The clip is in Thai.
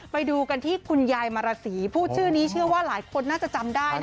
ไปดูกันที่คุณยายมาราศีพูดชื่อนี้เชื่อว่าหลายคนน่าจะจำได้